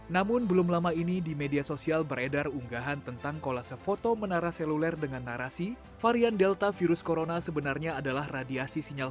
namun belum lama ini di media sosial beredar unggahan tentang kolase foto menara seluler dengan narasi varian delta virus corona sebenarnya adalah radiasi sinyal